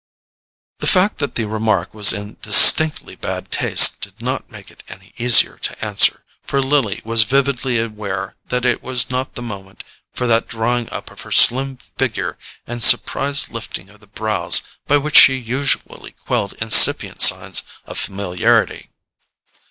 The fact that the remark was in distinctly bad taste did not make it any easier to answer, for Lily was vividly aware that it was not the moment for that drawing up of her slim figure and surprised lifting of the brows by which she usually quelled incipient signs of familiarity.